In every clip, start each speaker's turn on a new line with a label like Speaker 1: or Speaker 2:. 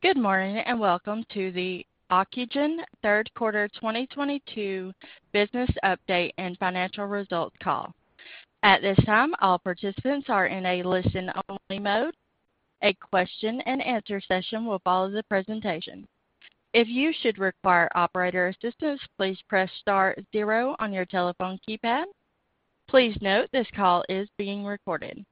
Speaker 1: Good morning, and welcome to the Ocugen third quarter 2022 business update and financial results call. At this time, all participants are in a listen-only mode. A question and answer session will follow the presentation. If you should require operator assistance, please press star zero on your telephone keypad. Please note this call is being recorded.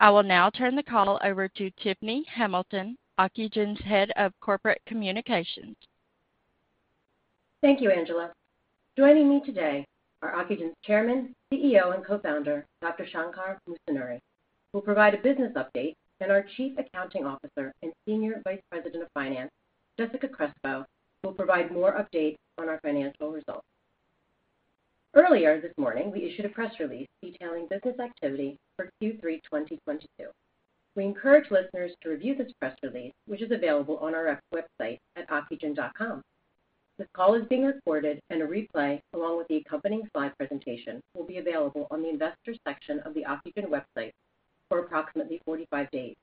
Speaker 1: I will now turn the call over to Tiffany Hamilton, Ocugen's Head of Corporate Communications.
Speaker 2: Thank you, Angela. Joining me today are Ocugen's Chairman, CEO, and Co-founder, Dr. Shankar Musunuri, who'll provide a business update, and our Chief Accounting Officer and Senior Vice President, Finance, Jessica Crespo, who'll provide more updates on our financial results. Earlier this morning, we issued a press release detailing business activity for Q3 2022. We encourage listeners to review this press release, which is available on our website at ocugen.com. This call is being recorded, and a replay along with the accompanying slide presentation will be available on the investors section of the Ocugen website for approximately 45 days.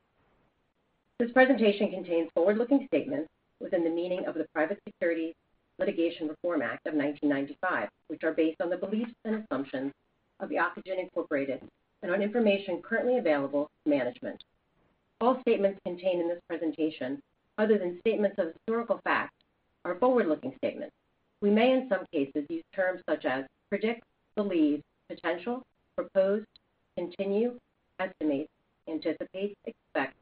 Speaker 2: This presentation contains forward-looking statements within the meaning of the Private Securities Litigation Reform Act of 1995, which are based on the beliefs and assumptions of the Ocugen, Inc. and on information currently available to management. All statements contained in this presentation, other than statements of historical fact, are forward-looking statements. We may in some cases use terms such as predict, believe, potential, proposed, continue, estimate, anticipate, expect,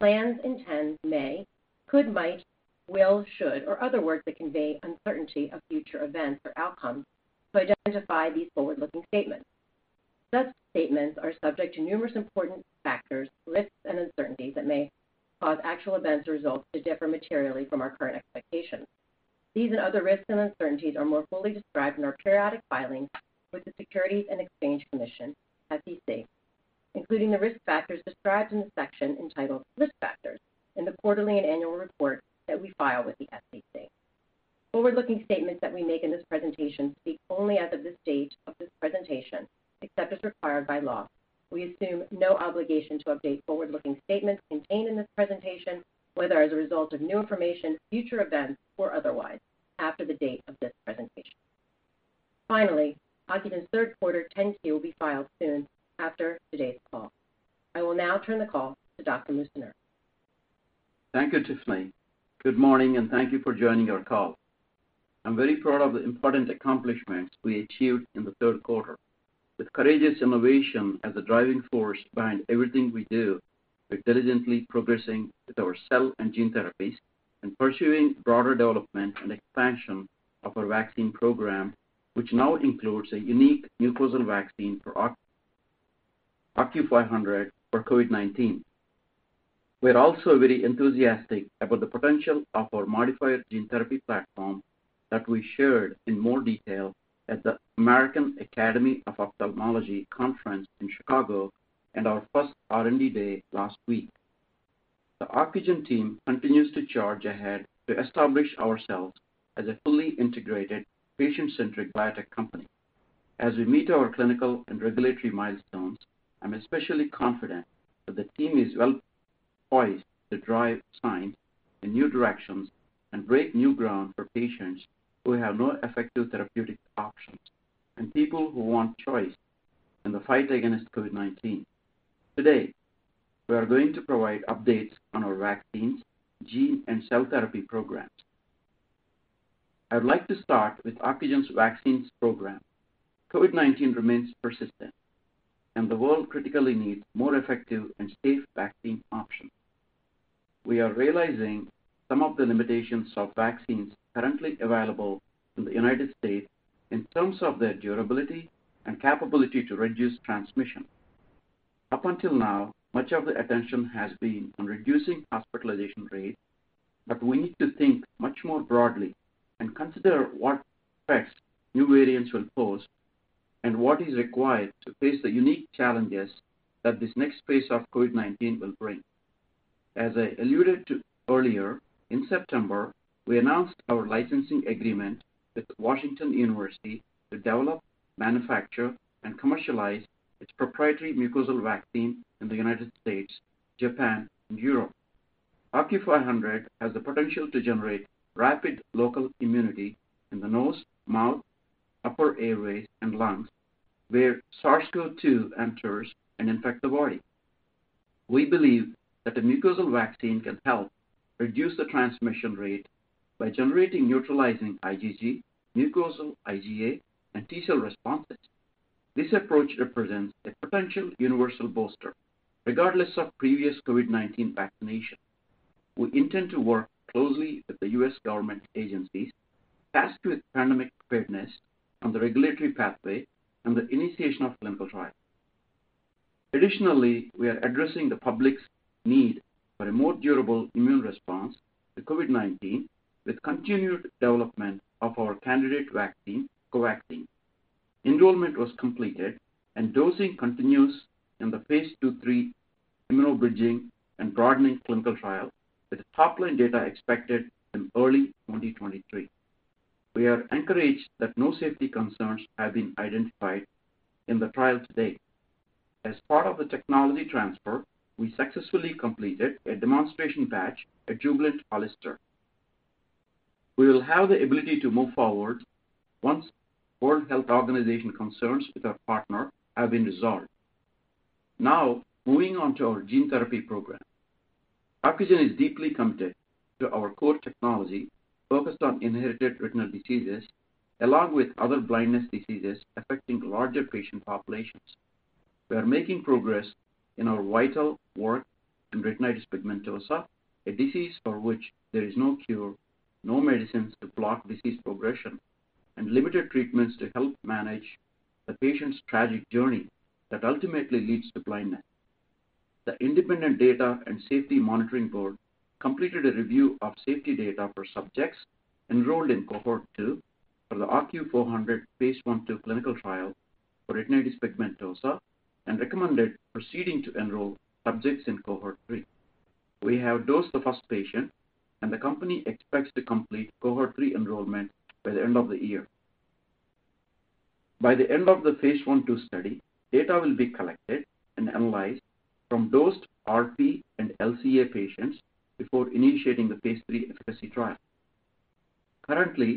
Speaker 2: plans, intends, may, could, might, will, should, or other words that convey uncertainty of future events or outcomes to identify these forward-looking statements. Such statements are subject to numerous important factors, risks, and uncertainties that may cause actual events or results to differ materially from our current expectations. These and other risks and uncertainties are more fully described in our periodic filings with the Securities and Exchange Commission, SEC, including the risk factors described in the section entitled Risk Factors in the quarterly and annual report that we file with the SEC. Forward-looking statements that we make in this presentation speak only as of the date of this presentation, except as required by law. We assume no obligation to update forward-looking statements contained in this presentation, whether as a result of new information, future events, or otherwise after the date of this presentation. Finally, Ocugen's third quarter 10-Q will be filed soon after today's call. I will now turn the call to Dr. Musunuri.
Speaker 3: Thank you, Tiffany. Good morning, and thank you for joining our call. I'm very proud of the important accomplishments we achieved in the third quarter. With courageous innovation as the driving force behind everything we do, we're diligently progressing with our cell and gene therapies and pursuing broader development and expansion of our vaccine program, which now includes a unique mucosal vaccine for OCU500 for COVID-19. We're also very enthusiastic about the potential of our modifier gene therapy platform that we shared in more detail at the American Academy of Ophthalmology conference in Chicago and our first R&D day last week. The Ocugen team continues to charge ahead to establish ourselves as a fully integrated patient-centric biotech company. As we meet our clinical and regulatory milestones, I'm especially confident that the team is well poised to drive science in new directions and break new ground for patients who have no effective therapeutic options and people who want choice in the fight against COVID-19. Today, we are going to provide updates on our vaccines, gene, and cell therapy programs. I would like to start with Ocugen's vaccines program. COVID-19 remains persistent, and the world critically needs more effective and safe vaccine options. We are realizing some of the limitations of vaccines currently available in the United States in terms of their durability and capability to reduce transmission. Up until now, much of the attention has been on reducing hospitalization rates, but we need to think much more broadly and consider what effects new variants will pose and what is required to face the unique challenges that this next phase of COVID-19 will bring. As I alluded to earlier, in September, we announced our licensing agreement with Washington University to develop, manufacture, and commercialize its proprietary mucosal vaccine in the United States, Japan, and Europe. OCU500 has the potential to generate rapid local immunity in the nose, mouth, upper airways, and lungs, where SARS-CoV-2 enters and infects the body. We believe that the mucosal vaccine can help reduce the transmission rate by generating neutralizing IgG, mucosal IgA, and T-cell responses. This approach represents a potential universal booster regardless of previous COVID-19 vaccination. We intend to work closely with the U.S. government agencies tasked with pandemic preparedness on the regulatory pathway and the initiation of clinical trials. Additionally, we are addressing the public's need for a more durable immune response to COVID-19 with continued development of our candidate vaccine, COVAXIN. Enrollment was completed, and dosing continues in the phase 2-3 immunobridging and broadening clinical trial with top-line data expected in early 2023. We are encouraged that no safety concerns have been identified in the trial to date. As part of the technology transfer, we successfully completed a demonstration batch at Jubilant HollisterStier. We will have the ability to move forward once World Health Organization concerns with our partner have been resolved. Now, moving on to our gene therapy program. Ocugen is deeply committed to our core technology focused on inherited retinal diseases, along with other blindness diseases affecting larger patient populations. We are making progress in our vital work in retinitis pigmentosa, a disease for which there is no cure, no medicines to block disease progression, and limited treatments to help manage the patient's tragic journey that ultimately leads to blindness. The independent data and safety monitoring board completed a review of safety data for subjects enrolled in cohort 2 for the OCU400 phase 1/2 clinical trial for retinitis pigmentosa and recommended proceeding to enroll subjects in cohort 3. We have dosed the first patient, and the company expects to complete cohort 3 enrollment by the end of the year. By the end of the phase 1/2 study, data will be collected and analyzed from dosed RP and LCA patients before initiating the phase 3 efficacy trial. Currently,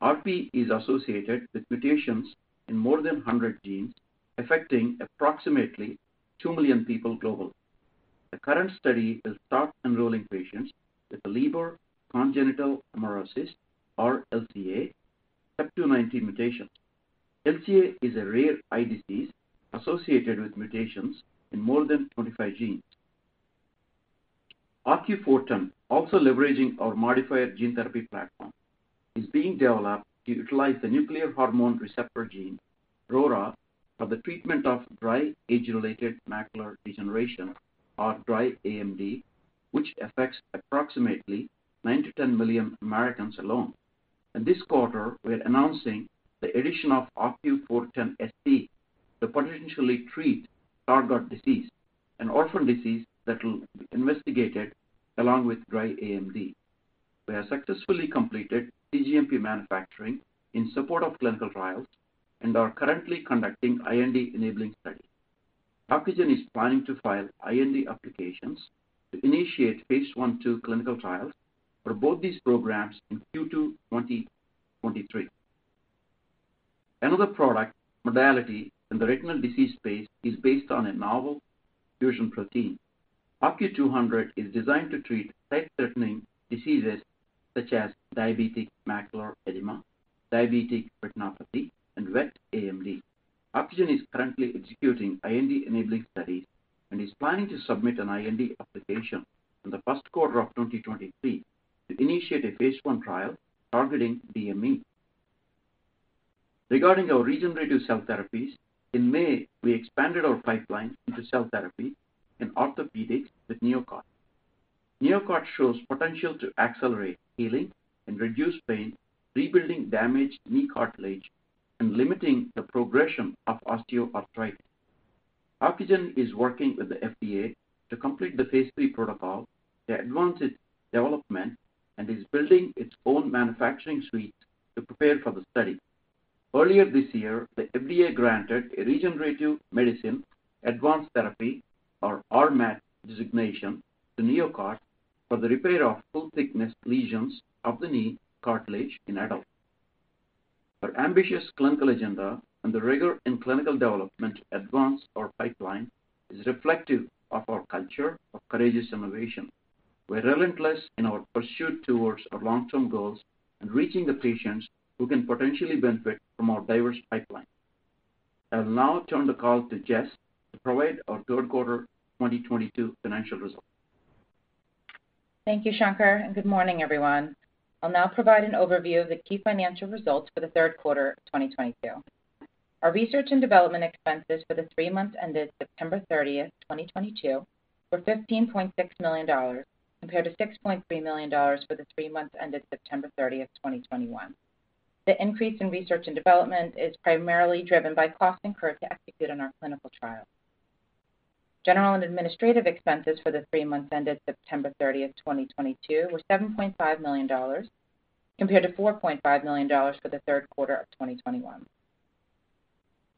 Speaker 3: RP is associated with mutations in more than 100 genes, affecting approximately 2 million people globally. The current study will start enrolling patients with a Leber congenital amaurosis or LCA CEP290 mutation. LCA is a rare eye disease associated with mutations in more than 25 genes. OCU410, also leveraging our modified gene therapy platform, is being developed to utilize the nuclear hormone receptor gene, RORA, for the treatment of dry age-related macular degeneration or dry AMD, which affects approximately 9-10 million Americans alone. In this quarter, we are announcing the addition of OCU410SD to potentially treat Sjogren disease, an orphan disease that will be investigated along with dry AMD. We have successfully completed cGMP manufacturing in support of clinical trials and are currently conducting IND-enabling study. Ocugen is planning to file IND applications to initiate phase 1, 2 clinical trials for both these programs in Q2 2023. Another product modality in the retinal disease space is based on a novel fusion protein. OCU200 is designed to treat life-threatening diseases such as diabetic macular edema, diabetic retinopathy, and wet AMD. Ocugen is currently executing IND-enabling studies and is planning to submit an IND application in the first quarter of 2023 to initiate a phase 1 trial targeting DME. Regarding our regenerative cell therapies, in May, we expanded our pipeline into cell therapy and orthopedics with NeoCart. NeoCart shows potential to accelerate healing and reduce pain, rebuilding damaged knee cartilage, and limiting the progression of osteoarthritis. Ocugen is working with the FDA to complete the phase 3 protocol to advance its development and is building its own manufacturing suite to prepare for the study. Earlier this year, the FDA granted a regenerative medicine advanced therapy or RMAT designation to NeoCart for the repair of full-thickness lesions of the knee cartilage in adults. Our ambitious clinical agenda and the rigor in clinical development to advance our pipeline is reflective of our culture of courageous innovation. We're relentless in our pursuit towards our long-term goals and reaching the patients who can potentially benefit from our diverse pipeline. I'll now turn the call to Jess to provide our third quarter 2022 financial results.
Speaker 4: Thank you, Shankar, and good morning, everyone. I'll now provide an overview of the key financial results for the third quarter of 2022. Our research and development expenses for the three months ended September 30, 2022, were $15.6 million compared to $6.3 million for the three months ended September 30, 2021. The increase in research and development is primarily driven by costs incurred to execute on our clinical trials. General and administrative expenses for the three months ended September 30, 2022, were $7.5 million compared to $4.5 million for the third quarter of 2021.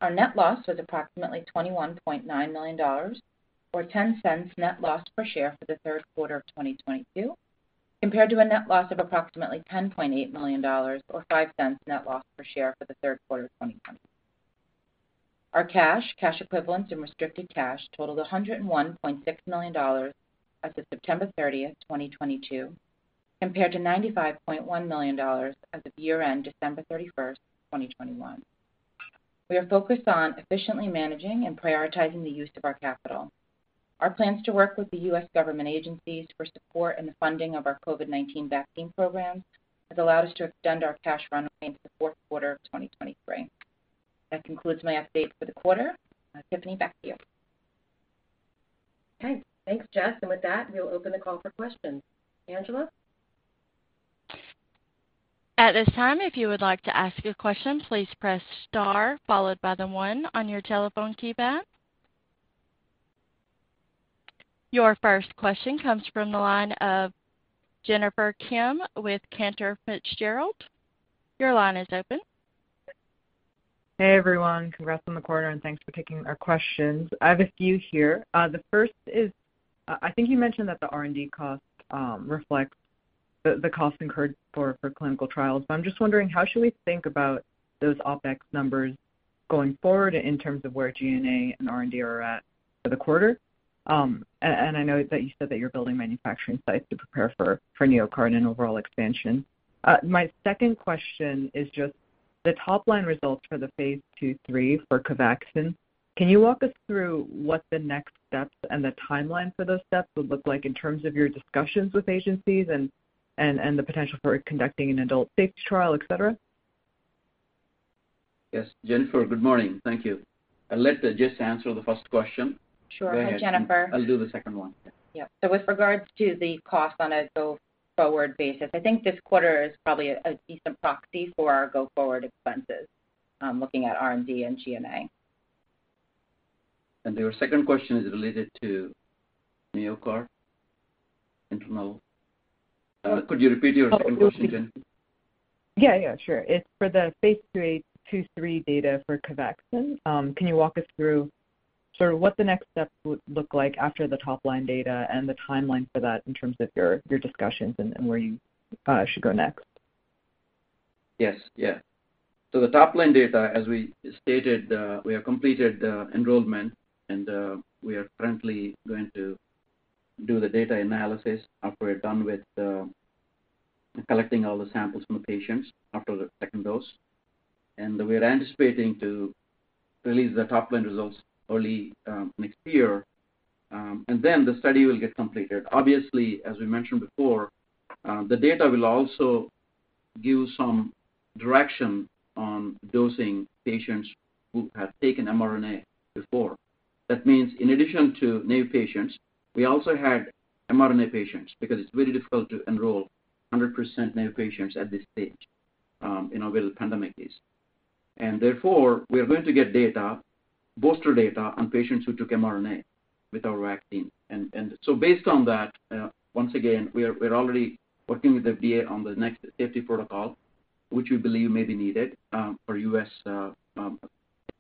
Speaker 4: Our net loss was approximately $21.9 million or $0.10 net loss per share for the third quarter of 2022, compared to a net loss of approximately $10.8 million or $0.05 net loss per share for the third quarter of 2020. Our cash equivalents, and restricted cash totaled $101.6 million as of September 30, 2022, compared to $95.1 million as of year-end December 31, 2021. We are focused on efficiently managing and prioritizing the use of our capital. Our plans to work with the U.S. government agencies for support in the funding of our COVID-19 vaccine programs has allowed us to extend our cash runway into the fourth quarter of 2023. That concludes my update for the quarter. Tiffany, back to you.
Speaker 3: Okay. Thanks, Jess. With that, we'll open the call for questions. Angela?
Speaker 1: At this time, if you would like to ask a question, please press star followed by the one on your telephone keypad. Your first question comes from the line of Jennifer Kim with Cantor Fitzgerald. Your line is open.
Speaker 5: Hey, everyone. Congrats on the quarter, and thanks for taking our questions. I have a few here. The first is, I think you mentioned that the R&D cost reflects the cost incurred for clinical trials. But I'm just wondering, how should we think about those OpEx numbers going forward in terms of where G&A and R&D are at for the quarter? And I know that you said that you're building manufacturing sites to prepare for NeoCart and overall expansion. My second question is just the top line results for the phase 2-3 for COVAXIN. Can you walk us through what the next steps and the timeline for those steps would look like in terms of your discussions with agencies and the potential for conducting an adult safety trial, et cetera?
Speaker 3: Yes. Jennifer, good morning. Thank you. I'll let Jess answer the first question.
Speaker 4: Sure.
Speaker 3: Go ahead.
Speaker 4: Hi, Jennifer.
Speaker 3: I'll do the second one. Yeah.
Speaker 4: With regards to the cost on a go forward basis, I think this quarter is probably a decent proxy for our go forward expenses, looking at R&D and G&A.
Speaker 3: Your second question is related to NeoCart internal.
Speaker 5: Oh.
Speaker 3: Could you repeat your second question, Jennifer?
Speaker 5: Yeah. Yeah, sure. It's for the phase 3, 2-3 data for COVAXIN. Can you walk us through sort of what the next step would look like after the top line data and the timeline for that in terms of your discussions and where you should go next?
Speaker 3: Yes. Yeah. The top line data, as we stated, we have completed enrollment, and we are currently going to do the data analysis after we're done with collecting all the samples from the patients after the second dose. We're anticipating to release the top line results early next year. The study will get completed. Obviously, as we mentioned before, the data will also give some direction on dosing patients who have taken mRNA before. That means in addition to naive patients, we also had mRNA patients because it's very difficult to enroll 100% naive patients at this stage, in a world where the pandemic is. Therefore, we are going to get data, booster data on patients who took mRNA with our vaccine. Based on that, once again, we're already working with the FDA on the next safety protocol, which we believe may be needed, for U.S.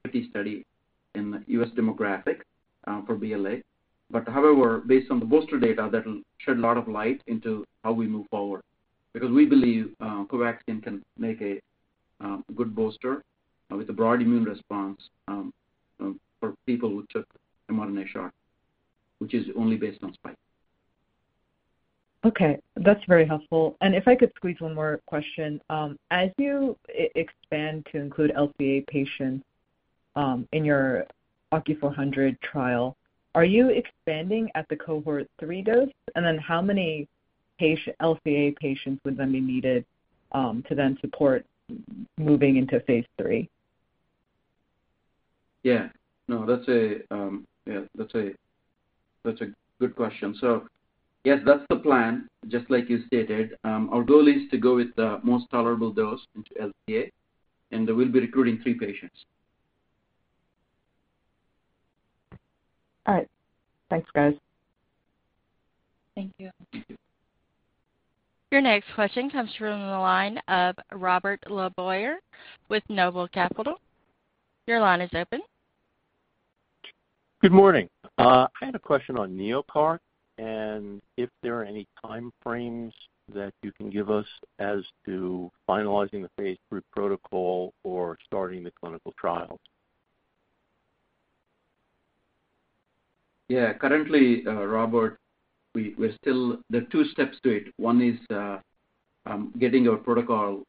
Speaker 3: safety study in U.S. demographic, for BLA. However, based on the booster data, that'll shed a lot of light into how we move forward because we believe, COVAXIN can make a good booster, with a broad immune response, for people who took mRNA shot, which is only based on spike.
Speaker 5: Okay. That's very helpful. If I could squeeze one more question. As you expand to include LCA patients in your OCU400 trial, are you expanding at the cohort three dose? How many LCA patients would then be needed to then support moving into Phase 3?
Speaker 3: Yeah. No, that's a good question. Yes, that's the plan just like you stated. Our goal is to go with the most tolerable dose into LCA, and we'll be recruiting three patients.
Speaker 5: All right. Thanks, guys.
Speaker 4: Thank you.
Speaker 1: Your next question comes from the line of Robert LeBoyer with Noble Capital Markets. Your line is open.
Speaker 6: Good morning. I had a question on NeoCart and if there are any time frames that you can give us as to finalizing the phase 3 protocol or starting the clinical trials.
Speaker 3: Yeah. Currently, Robert, we're still. There are two steps to it. One is getting our protocol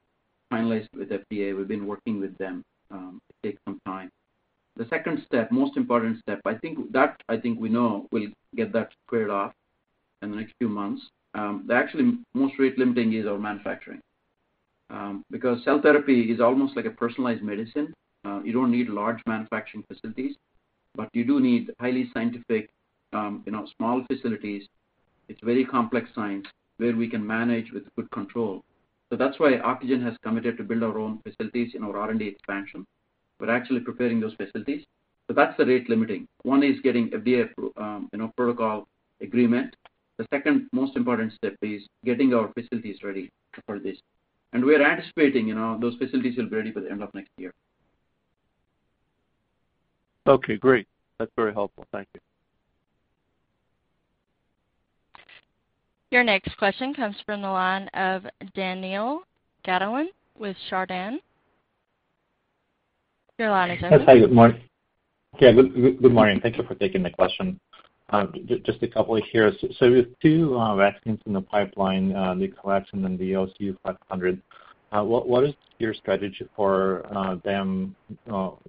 Speaker 3: finalized with FDA. We've been working with them. It takes some time. The second step, most important step, I think we know we'll get that cleared off in the next few months. The actually most rate limiting is our manufacturing. Because cell therapy is almost like a personalized medicine. You don't need large manufacturing facilities, but you do need highly scientific, you know, small facilities. It's very complex science where we can manage with good control. So that's why Ocugen has committed to build our own facilities in our R&D expansion. We're actually preparing those facilities. So that's the rate limiting. One is getting FDA, you know, protocol agreement. The second most important step is getting our facilities ready for this. We are anticipating, you know, those facilities will be ready by the end of next year.
Speaker 6: Okay, great. That's very helpful. Thank you.
Speaker 1: Your next question comes from the line of Daniil Gataulin with Chardan. Your line is open.
Speaker 7: Yes. Hi, good morning. Thank you for taking the question. Just a couple here. With two vaccines in the pipeline, the COVAXIN and the OCU500, what is your strategy for them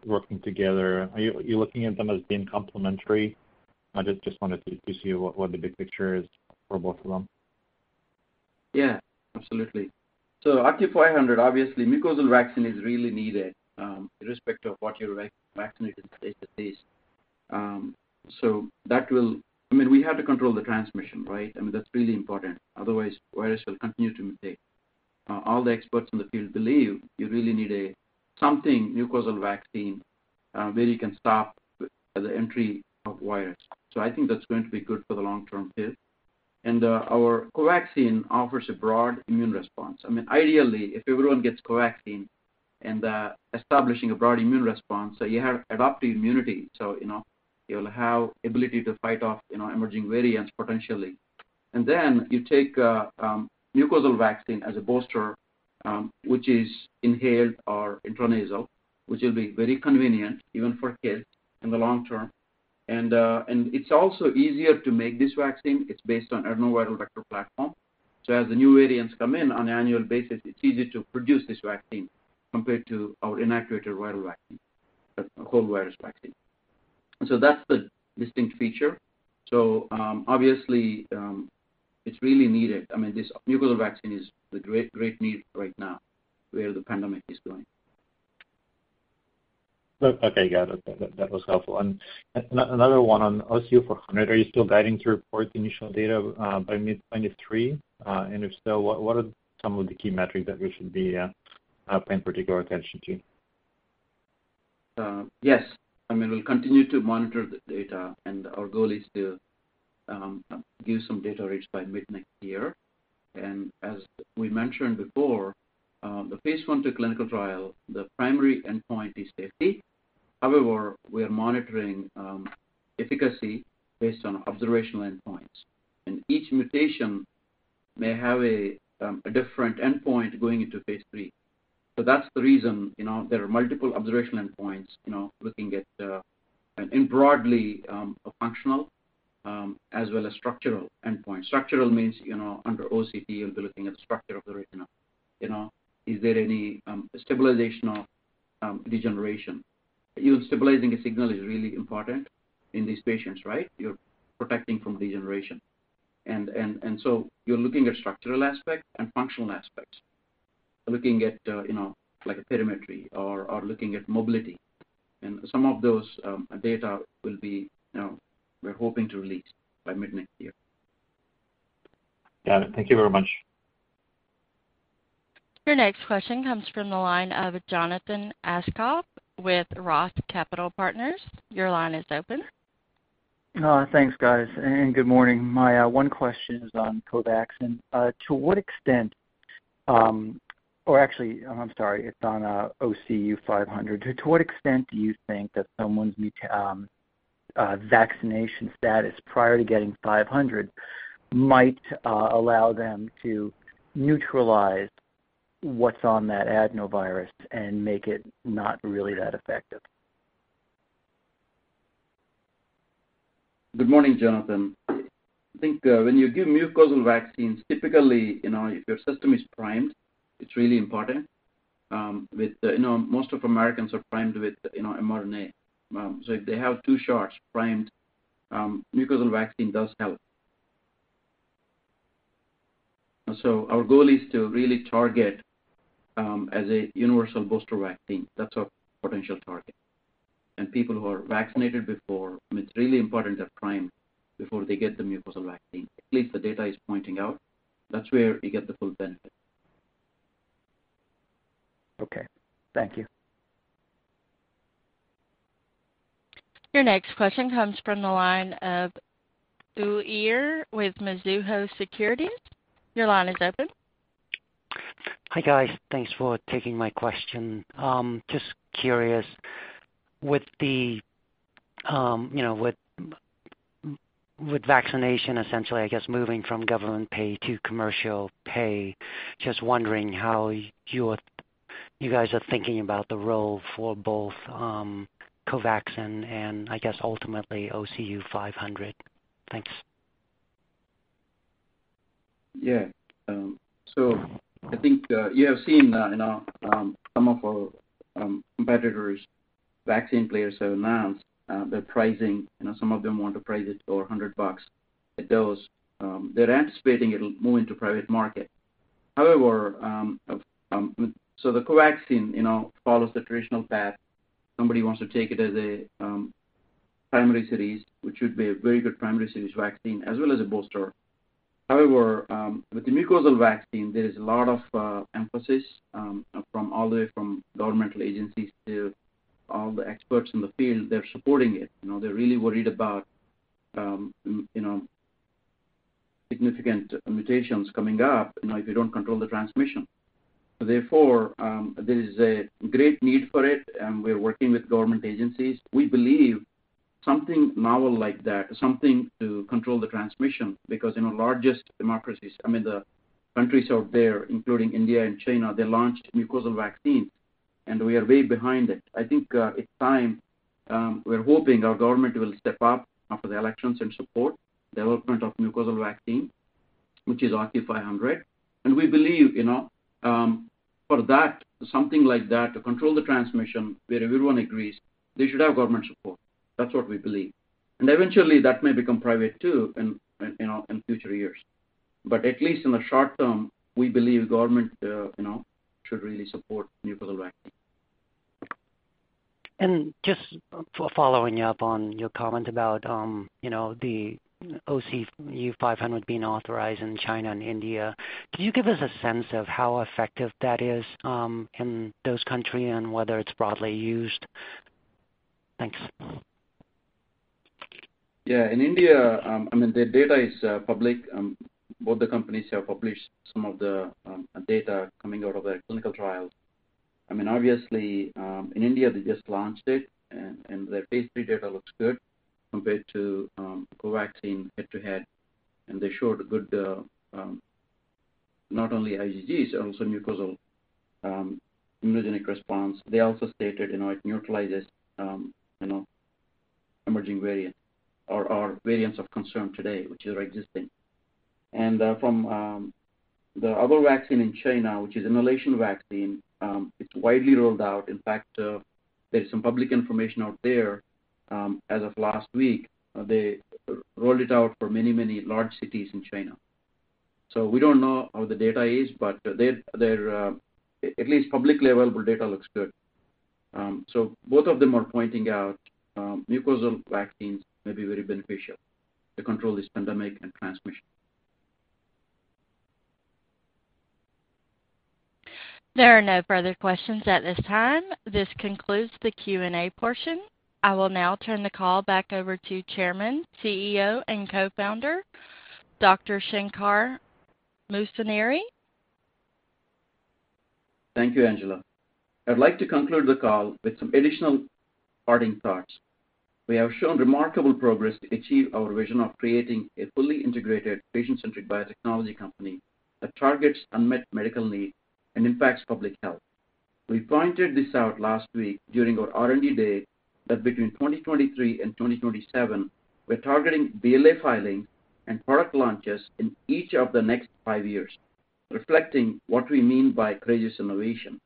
Speaker 7: working together? Are you looking at them as being complementary? I just wanted to see what the big picture is for both of them.
Speaker 3: Yeah, absolutely. OCU500, obviously mucosal vaccine is really needed, irrespective of what your vaccine is.
Speaker 7: Mm-hmm.
Speaker 3: I mean, we have to control the transmission, right? I mean, that's really important. Otherwise, virus will continue to mutate. All the experts in the field believe you really need a mucosal vaccine, where you can stop the entry of virus. I think that's going to be good for the long-term field. Our COVAXIN offers a broad immune response. I mean, ideally, if everyone gets COVAXIN and establishing a broad immune response, you have adaptive immunity, you know, you'll have ability to fight off, you know, emerging variants potentially. Then you take a mucosal vaccine as a booster, which is inhaled or intranasal, which will be very convenient even for kids in the long term. It's also easier to make this vaccine. It's based on adenoviral vector platform. As the new variants come in on annual basis, it's easier to produce this vaccine compared to our inactivated viral vaccine, COVID virus vaccine. That's the distinct feature. Obviously, it's really needed. I mean, this mucosal vaccine is the great need right now where the pandemic is going.
Speaker 7: Okay, got it. That was helpful. Another one on OCU400. Are you still guiding to report the initial data by mid-2023? If so, what are some of the key metrics that we should be paying particular attention to?
Speaker 3: Yes. I mean, we'll continue to monitor the data, and our goal is to give some data readout by mid-next year. As we mentioned before, the phase 1, 2 clinical trial, the primary endpoint is safety. However, we are monitoring efficacy based on observational endpoints. Each mutation may have a different endpoint going into phase 3. That's the reason, you know, there are multiple observational endpoints, you know, looking at and broadly a functional as well as structural endpoint. Structural means, you know, under OCT, you'll be looking at the structure of the retina. You know, is there any stabilization of degeneration? You know, stabilizing a signal is really important in these patients, right? You're protecting from degeneration. So you're looking at structural aspect and functional aspects. Looking at, you know, like a perimetry or looking at mobility. Some of those data will be, you know, we're hoping to release by mid-next year.
Speaker 7: Got it. Thank you very much.
Speaker 1: Your next question comes from the line of Jonathan Aschoff with Roth Capital Partners. Your line is open.
Speaker 8: Thanks, guys, and good morning. My one question is on COVAXIN. Actually, I'm sorry, it's on OCU500. To what extent do you think that someone's vaccination status prior to getting five hundred might allow them to neutralize what's on that adenovirus and make it not really that effective?
Speaker 3: Good morning, Jonathan. I think when you give mucosal vaccines, typically, you know, if your system is primed, it's really important. With, you know, most of Americans are primed with, you know, mRNA. If they have two shots primed, mucosal vaccine does help. Our goal is to really target as a universal booster vaccine. That's our potential target. People who are vaccinated before, and it's really important they're primed before they get the mucosal vaccine. At least the data is pointing out, that's where you get the full benefit.
Speaker 8: Okay. Thank you.
Speaker 1: Your next question comes from the line of Uy Ear with Mizuho Securities. Your line is open.
Speaker 9: Hi, guys. Thanks for taking my question. Just curious, with the, you know, with vaccination essentially, I guess moving from government pay to commercial pay, just wondering how you are, you guys are thinking about the role for both, COVAXIN and I guess ultimately OCU500. Thanks.
Speaker 3: Yeah. I think you have seen, you know, some of our competitors vaccine players have announced their pricing. You know, some of them want to price it for $100 a dose. They're anticipating it'll move into private market. However, the COVAXIN, you know, follows the traditional path. Somebody wants to take it as a primary series, which would be a very good primary series vaccine, as well as a booster. However, with the mucosal vaccine, there is a lot of emphasis from all the way from governmental agencies to all the experts in the field, they're supporting it. You know, they're really worried about, you know, significant mutations coming up, you know, if you don't control the transmission. Therefore, there is a great need for it, and we're working with government agencies. We believe something novel like that, something to control the transmission, because in the largest democracies, I mean, the countries out there, including India and China, they launched mucosal vaccines, and we are way behind it. I think it's time. We're hoping our government will step up after the elections and support development of mucosal vaccine, which is OCU500. We believe, you know, for that, something like that to control the transmission where everyone agrees they should have government support. That's what we believe. Eventually, that may become private too in you know in future years. At least in the short term, we believe government, you know, should really support mucosal vaccine.
Speaker 9: Just following up on your comment about, you know, the OCU500 being authorized in China and India, can you give us a sense of how effective that is, in those countries and whether it's broadly used? Thanks.
Speaker 3: Yeah. In India, I mean, the data is public. Both the companies have published some of the data coming out of their clinical trials. I mean, obviously, in India, they just launched it and their phase 3 data looks good compared to Covaxin head-to-head, and they showed good not only IgGs, also mucosal immunogenic response. They also stated, you know, it neutralizes, you know, emerging variants or variants of concern today, which are existing. From the other vaccine in China, which is inhalation vaccine, it's widely rolled out. In fact, there's some public information out there as of last week. They rolled it out for many large cities in India. We don't know how the data is, but their at least publicly available data looks good. Both of them are pointing out, mucosal vaccines may be very beneficial to control this pandemic and transmission.
Speaker 1: There are no further questions at this time. This concludes the Q&A portion. I will now turn the call back over to Chairman, CEO, and Co-founder, Dr. Shankar Musunuri.
Speaker 3: Thank you, Angela. I'd like to conclude the call with some additional parting thoughts. We have shown remarkable progress to achieve our vision of creating a fully integrated patient-centric biotechnology company that targets unmet medical need and impacts public health. We pointed this out last week during our R&D Day that between 2023 and 2027, we're targeting BLA filing and product launches in each of the next five years, reflecting what we mean by courageous innovation.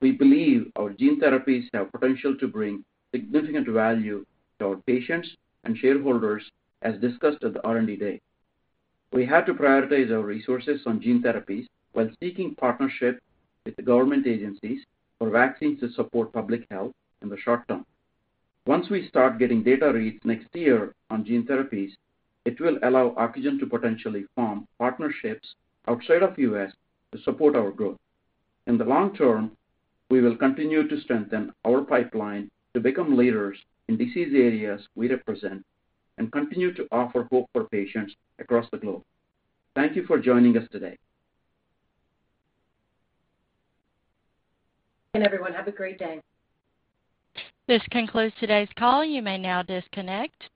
Speaker 3: We believe our gene therapies have potential to bring significant value to our patients and shareholders, as discussed at the R&D Day. We had to prioritize our resources on gene therapies while seeking partnership with the government agencies for vaccines to support public health in the short term. Once we start getting data reads next year on gene therapies, it will allow Ocugen to potentially form partnerships outside of U.S. to support our growth. In the long term, we will continue to strengthen our pipeline to become leaders in disease areas we represent and continue to offer hope for patients across the globe. Thank you for joining us today.
Speaker 2: Everyone, have a great day.
Speaker 1: This concludes today's call. You may now disconnect.